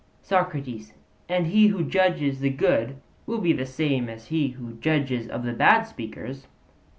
SOCRATES: And he who judges of the good will be the same as he who judges of the bad speakers?